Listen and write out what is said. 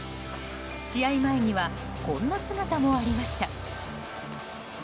試合前にはこんな姿もありました。